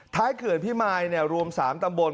เขื่อนพิมายรวม๓ตำบล